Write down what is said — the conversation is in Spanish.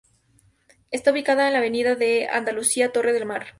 Estaba ubicada en la Avenida de Andalucía, Torre del Mar.